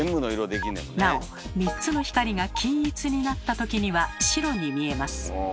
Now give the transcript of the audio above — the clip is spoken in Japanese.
なお３つの光が均一になった時には白に見えます。